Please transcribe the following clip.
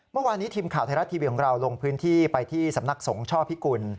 เมื่อวานนี้ทีมข่าวไทยรัฐทีวีของเราลงพื้นที่ไปที่สำนักสงฆ์ช่อพิกุล